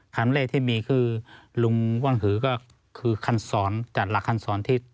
คำแรกที่มีคือลุงว่างหือก็คือคันสอนจัดหลักคันสอนที่